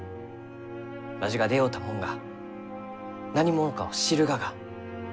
わしが出会うたもんが何者かを知るがが。